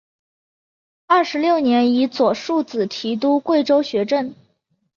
二十六年以左庶子提督贵州学政。